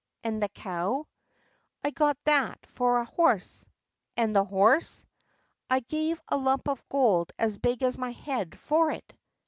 "And the cow?" "I got that for a horse." "And the horse?" "I gave a lump of gold as big as my head for it."